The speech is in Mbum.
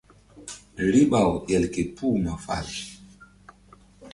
Riɓa-u el ke puh ma fal.